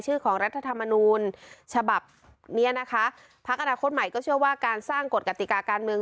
ของรัฐธรรมนูญฉบับเนี้ยนะคะพักอนาคตใหม่ก็เชื่อว่าการสร้างกฎกติกาการเมือง